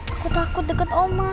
aku takut deket oma